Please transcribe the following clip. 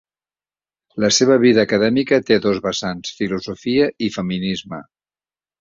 La seva vida acadèmica té dos vessants, filosofia i feminisme.